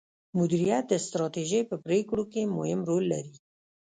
مديريت د ستراتیژۍ په پریکړو کې مهم رول لري.